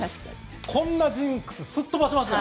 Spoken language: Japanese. こんなジンクスすっ飛ばしますよ！